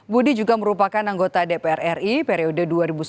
budi juga merupakan anggota dpr ri periode dua ribu sembilan belas dua ribu dua